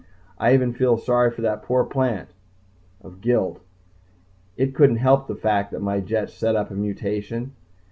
I even feel sorry for that poor plant ... of guilt. It couldn't help the fact that my jets set up a mutation.